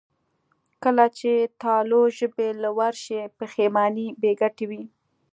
کله چې تالو ژبې له ورشي، پښېماني بېګټې وي.